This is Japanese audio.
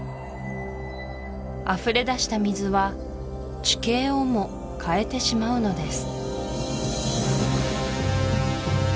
あふれだした水は地形をも変えてしまうのです